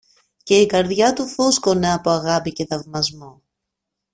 και η καρδιά του φούσκωνε από αγάπη και θαυμασμό